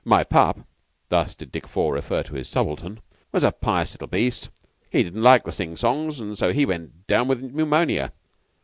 "My pup" thus did Dick Four refer to his subaltern "was a pious little beast. He didn't like the sing songs, and so he went down with pneumonia.